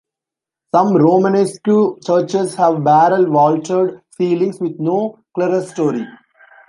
Some Romanesque churches have barrel vaulted ceilings with no clerestory.